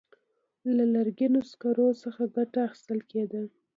له لرګینو سکرو څخه ګټه اخیستل کېده.